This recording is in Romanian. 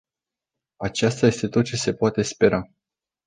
Aceasta este tot ceea ce se poate spera.